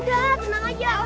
udah tenang aja